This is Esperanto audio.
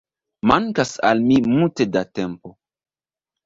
Mankas al mi multe da tempo